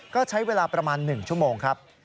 ก็ใช้เวลาประมาณ๑ชั่วโมงครับ